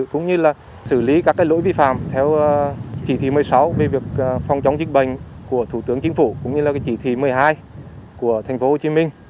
cũng như là xử lý các cái lỗi vi phạm theo chỉ thí một mươi sáu về việc phòng chống dịch bệnh của thủ tướng chính phủ cũng như là cái chỉ thí một mươi hai của tp hcm